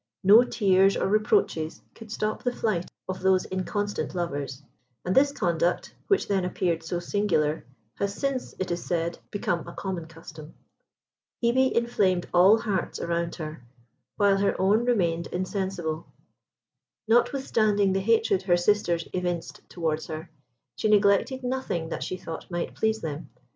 No tears or reproaches could stop the flight of those inconstant lovers, and this conduct, which then appeared so singular, has since, it is said, become a common custom. Hebe inflamed all hearts around her, while her own remained insensible. Notwithstanding the hatred her sisters evinced towards her, she neglected nothing that she thought might please them.